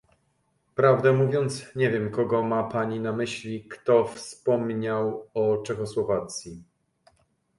Prawdę mówiąc, nie wiem, kogo ma pani na myśli, kto wspomniał o Czechosłowacji